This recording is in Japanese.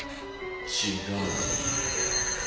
・違う。